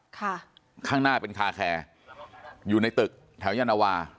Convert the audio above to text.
ข้างหน้าเป็นคาแคร์อยู่ในตึกแถวยานวา